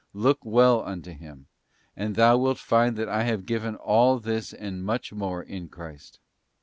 Look well unto Him, and thou wilt find that I have given all this and much more in Christ.